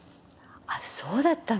あっそうだったの？